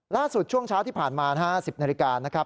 ช่วงเช้าที่ผ่านมา๑๐นาฬิกานะครับ